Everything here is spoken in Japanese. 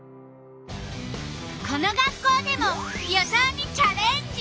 この学校でも予想にチャレンジ！